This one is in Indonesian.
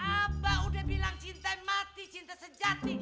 abah udah bilang cinta yang mati cinta sejati